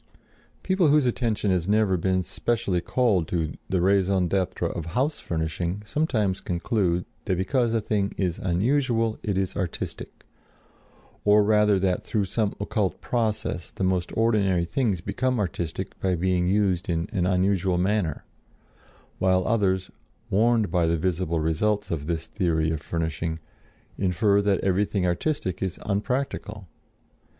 People whose attention has never been specially called to the raison d'être of house furnishing sometimes conclude that because a thing is unusual it is artistic, or rather that through some occult process the most ordinary things become artistic by being used in an unusual manner; while others, warned by the visible results of this theory of furnishing, infer that everything artistic is unpractical.